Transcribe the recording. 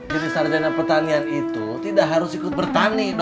jadi sarjana pertanian itu tidak harus ikut bertani